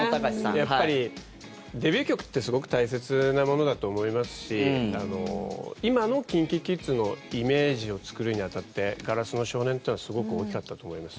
やっぱりデビュー曲ってすごく大切なものだと思いますし今のＫｉｎＫｉＫｉｄｓのイメージを作るに当たって「硝子の少年」というのはすごく大きかったと思います。